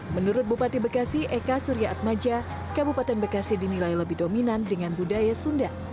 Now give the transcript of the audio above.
menurut bupati bekasi eka surya atmaja kabupaten bekasi dinilai lebih dominan dengan budaya sunda